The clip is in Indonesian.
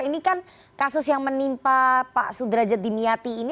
ini kan kasus yang menimpa pak sudrajat diniati ini